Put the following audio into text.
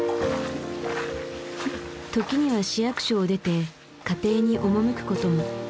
時には市役所を出て家庭に赴くことも。